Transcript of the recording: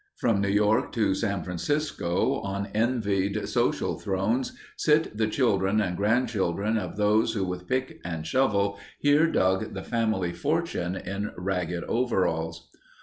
From New York to San Francisco on envied social thrones, sit the children and grandchildren of those who with pick and shovel, here dug the family fortune in ragged overalls.